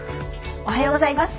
おはようございます。